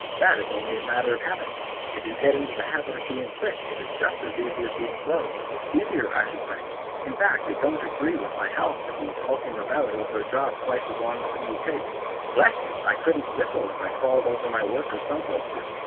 that is only a matter of habit; if you get into the habit of being quick it is just as easy as being slow; easier, I should say; in fact it don't agree with my health to be hulking about over a job twice as long as it need take. Bless you! I couldn't whistle if I crawled over my work as some folks do!